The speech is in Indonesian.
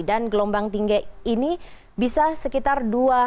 dan gelombang tinggi ini bisa sekitar